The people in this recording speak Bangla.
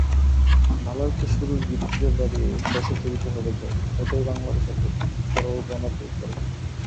ভালো একটা শুরুর ভিত্তিতে দাঁড়িয়েই শেষে তুলতে হবে ঝড়—এটাই বাংলাদেশের সরল রণকৌশল।